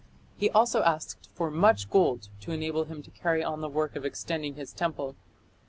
He also asked for "much gold" to enable him to carry on the work of extending his temple.